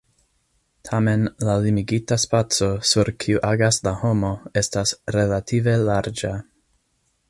Tamen la limigita spaco, sur kiu agas la homo, estas relative larĝa.